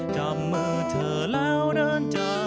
จำมือเธอแล้วเดินเจอ